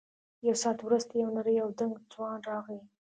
یو ساعت وروسته یو نری او دنګ ځوان راغی.